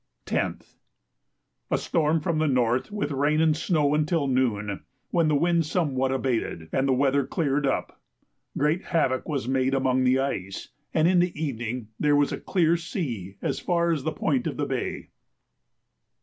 10th. A storm from the north with rain and snow until noon, when the wind somewhat abated, and the weather cleared up. Great havoc was made among the ice, and in the evening there was a clear sea as far as the point of the bay.